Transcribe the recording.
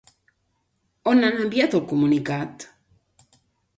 On han enviat el comunicat?